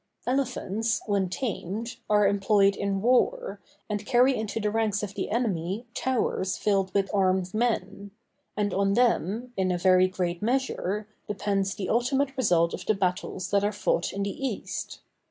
Elephants, when tamed, are employed in war, and carry into the ranks of the enemy towers filled with armed men; and on them, in a very great measure, depends the ultimate result of the battles that are fought in the East.